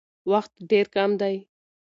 وخت ډېر کم دی.